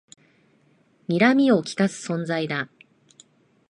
にらみをきかす存在だ